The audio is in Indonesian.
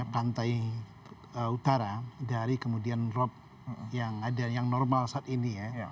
pantai utara dari kemudian drop yang normal saat ini ya